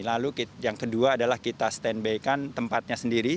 lalu yang kedua adalah kita stand by kan tempatnya sendiri